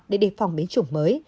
để đề phòng biến chủng mới